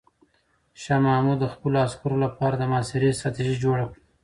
شاه محمود د خپلو عسکرو لپاره د محاصرې ستراتیژي جوړه کړه.